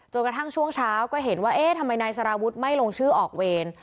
กระทั่งช่วงเช้าก็เห็นว่าเอ๊ะทำไมนายสารวุฒิไม่ลงชื่อออกเวร